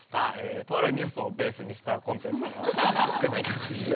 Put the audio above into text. とあるニュースをベースにしたコントでしたがひとりさんいかがでした？